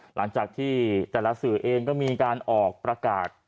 หลังจากที่แต่ละสื่อเองก็มีการออกประกาศ